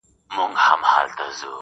ځكه د كلي مشر ژوند د خواركي ورانوي,